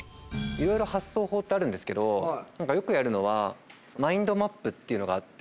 いろいろ発想法ってあるんですけどよくやるのはっていうのがあって。